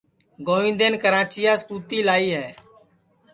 گوندین کراچیاس کُتی لائی ہے